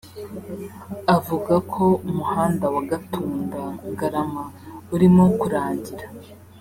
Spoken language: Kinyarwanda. Avuga ko umuhanda wa Gatunda-Ngarama urimo kurangira